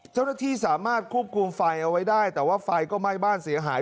เจ้าหน้าที่สามารถควบคุมไฟเอาไว้ได้แต่ว่าไฟก็ไหม้บ้านเสียหาย